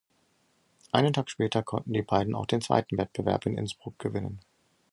Einen Tag später konnten die beiden auch den zweiten Wettbewerb in Innsbruck gewinnen.